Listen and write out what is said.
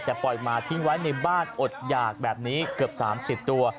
แต่ปล่อยมาทิ้งไว้ในบ้านอดหยากแบบนี้เกือบ๓๐ตัว